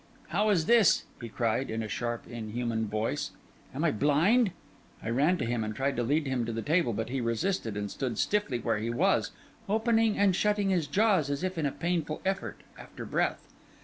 'How is this?' he cried, in a sharp, unhuman voice. 'Am I blind?' I ran to him and tried to lead him to the table; but he resisted and stood stiffly where he was, opening and shutting his jaws, as if in a painful effort after breath.